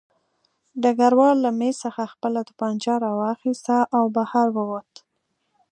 ډګروال له مېز څخه خپله توپانچه راواخیسته او بهر ووت